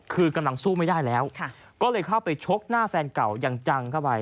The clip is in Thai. คือกำลังสู้ไม่ได้แล้วก็เลยเข้าไปชกหน้าแฟนเก่าอย่างจังเข้าไป